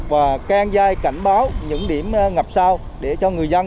và can dai cảnh báo những điểm ngập sao để cho người dân